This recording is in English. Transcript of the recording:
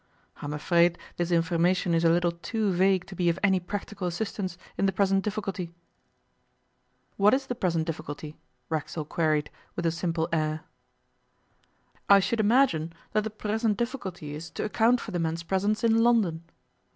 I'm afraid this information is a little too vague to be of any practical assistance in the present difficulty.' 'What is the present difficulty?' Racksole queried, with a simple air. 'I should imagine that the present difficulty is to account for the man's presence in London.